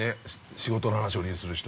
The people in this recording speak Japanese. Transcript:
仕事の話、俺にする人。